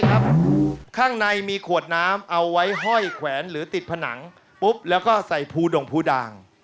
ข้างในมีขวดน้ำเอาไว้ห้อยแขวนหรือติดผนังปุ๊บแล้วก็ใส่ภูดงภูดาง